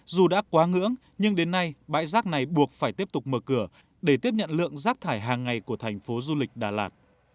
dù đã quá ngưỡng nhưng đến nay bãi rác này buộc phải tiếp tục mở cửa để tiếp nhận lượng rác thải hàng ngày của thành phố du lịch đà lạt